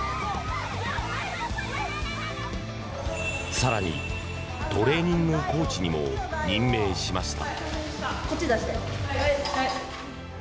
更に、トレーニングコーチにも任命しました。